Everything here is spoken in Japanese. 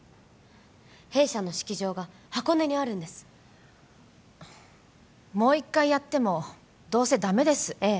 弊社の式場が箱根にあるんですもう一回やってもどうせダメですええ